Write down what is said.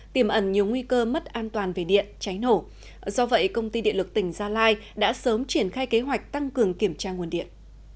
tiềm ẩn nhiều nguy cơ mất an toàn về điện cháy nổ do vậy công ty điện lực tỉnh gia lai đã sớm triển khai kế hoạch tăng cường kiểm tra nguồn điện